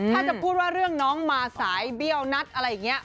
ถ้าจะพูดว่าเรื่องน้องมาสายเบี้ยวนัดอะไรอย่างนี้